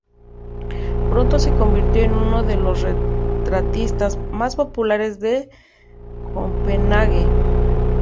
Pronto se convirtió en uno de los retratistas más populares de Copenhague.